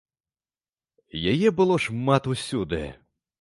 Яе было шмат усюды.